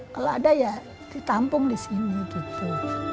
kalau ada ya ditampung di sini gitu